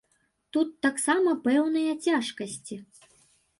Тут таксама пэўныя цяжкасці.